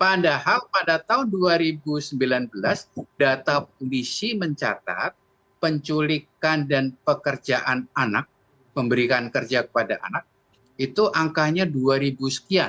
padahal pada tahun dua ribu sembilan belas data polisi mencatat penculikan dan pekerjaan anak memberikan kerja kepada anak itu angkanya dua ribu sekian